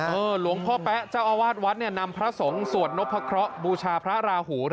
เออหลวงพ่อแป๊ะเจ้าอวาทวัดนำพระสงฆ์สวดนพครบูชาพระราหู